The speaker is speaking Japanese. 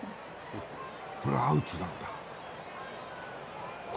これ、アウツなんだ。